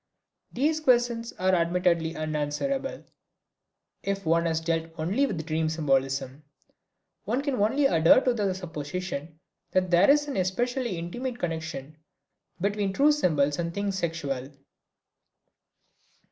These questions are admittedly unanswerable if one has dealt only with dream symbolism. One can only adhere to the supposition that there is an especially intimate connection between true symbols and things sexual.